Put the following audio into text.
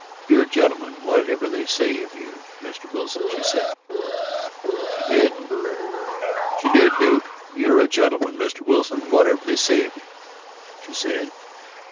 'You're a gentleman, whatever they say of you, Mr. Wilson,' she said." "She did?" "She did, Duke. 'You're a gentleman, Mr. Wilson, whatever they say of you,' she said.